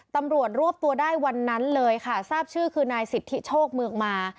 ตำรวจรวบตัวได้วันนั้นเลยค่ะทราบชื่อคือนายสิทธิโชคเมืองมา